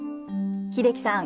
英樹さん